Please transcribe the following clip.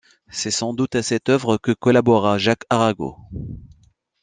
C'est sans doute à cette œuvre que collabora Jacques Arago.